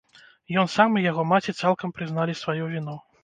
Ён сам і яго маці цалкам прызналі сваю віну.